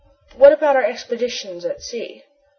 "But what about our expeditions at sea?"